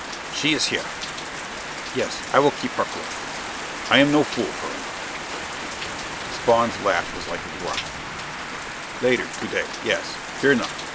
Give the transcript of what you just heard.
"She is here.... Yes, I will keep her close. I am no fool, Perona." Spawn's laugh was like a growl. "Later to day, yes. Fear not!